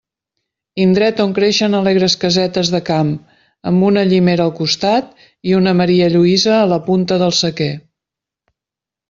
Indret on creixen alegres casetes de camp, amb una llimera al costat i una marialluïsa a la punta del sequer.